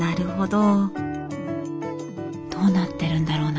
どうなってるんだろう？